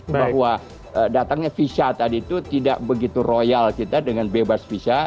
bahwa datangnya visa tadi itu tidak begitu royal kita dengan bebas visa